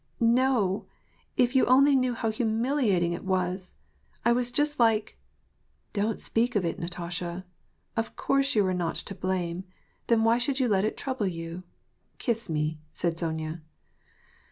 '*" No ; if you only knew how humiliating it was !— I was just like "— "Don't speak of it, Natasha, Of course you were not to blame, then why should you let it trouble you ? Kiss me," said Sonya.